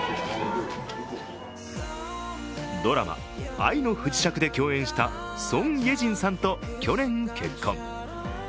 ドラマ「愛の不時着」で共演したソン・イエジンさんと去年結婚。